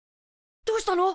どうしたの？